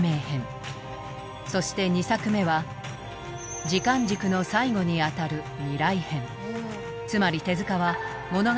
そして２作目は時間軸の最後にあたる「未来編」。